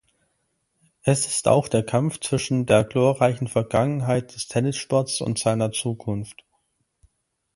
Es ist auch der Kampf zwischen der glorreichen Vergangenheit des Tennissports und seiner Zukunft.